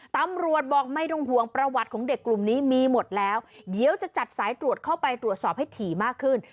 ตำรวจบอกไม่ต้องห่วงประวัติของเด็กกลุ่มนี้มีหมดแล้วเดี๋ยวจะจัดสายตรวจเข้าไปตรวจสอบให้ถี่มากขึ้น